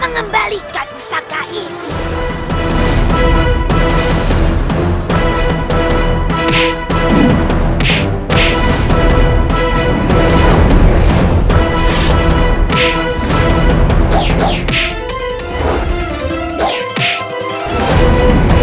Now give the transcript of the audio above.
mengembalikan pusaka ini